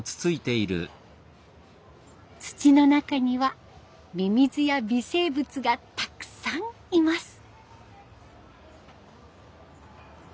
土の中にはミミズや微生物がたくさんいます。